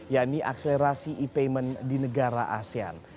yakni akselerasi e payment di negara asean